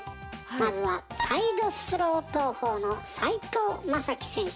まずはサイドスロー投法の斎藤雅樹選手。